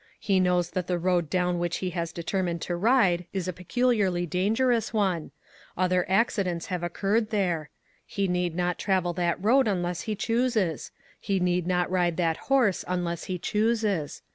He knows that the road down which he has determined to ride is a peculiarly dangerous one ; other acci dents have occurred there. He need not travel that road unless he chooses ; he need not ride that horse unless he chooses.